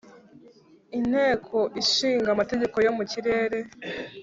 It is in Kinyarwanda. inteko ishinga amategeko yo mu kirere,